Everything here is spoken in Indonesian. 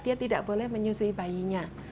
dia tidak boleh menyusui bayinya